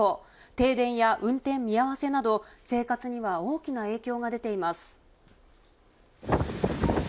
停電や運転見合わせなど、生活には大きな影響が出ています。